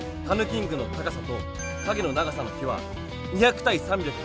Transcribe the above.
キングの高さと影の長さの比は２００対３５０。